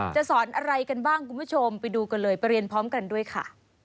จะสอนอะไรกันบ้างคุณผู้ชมไปดูกันเลยไปเรียนพร้อมกันด้วยค่ะ